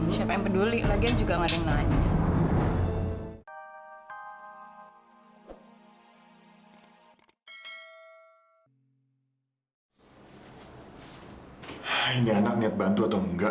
sampai jumpa di video selanjutnya